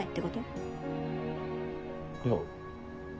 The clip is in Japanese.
いや。